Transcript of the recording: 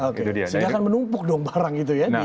oke jadi mereka akan menumpuk dong barang itu ya di indonesia